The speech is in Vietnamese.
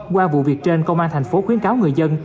qua vụ việc trên công an thành phố khuyến cáo người dân